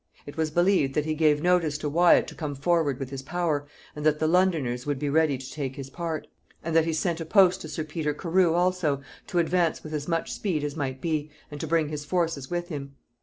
It was believed that he gave notice to Wyat to come forward with his power, and that the Londoners would be ready to take his part. And that he sent a post to sir Peter Carew also, to advance with as much speed as might be, and to bring his forces with him.